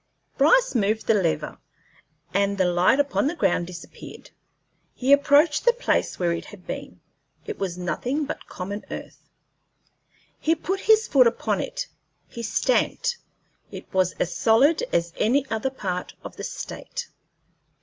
Bryce moved the lever, and the light upon the ground disappeared. He approached the place where it had been; it was nothing but common earth. He put his foot upon it; he stamped; it was as solid as any other part of the State.